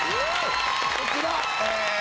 こちらえ